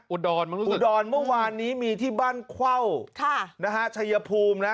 อุดรเมื่อวานนี้มีที่บ้านเข้าชัยภูมินะ